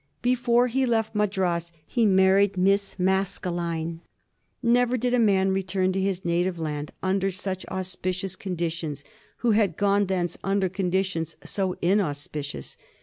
Before he left Madras he married Miss Maskelyne. Never did a man return to his native land under more auspicious con ditions who had gone thence under conditions so inauspi cious.